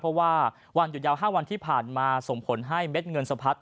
เพราะว่าวันหยุดยาว๕วันที่ผ่านมาส่งผลให้เม็ดเงินสะพัด